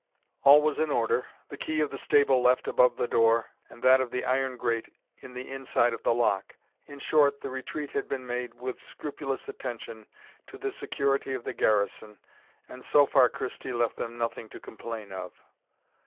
All was in order, the key of the stable left above the door, and that of the iron grate in the inside of the lock. In short, the retreat had been made with scrupulous attention to the security of the garrison, and so far Christie left them nothing to complain of.